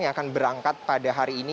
yang akan berangkat pada hari ini